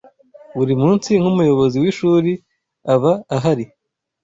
buri munsi nk'umuyobozi w'ishuri aba ahari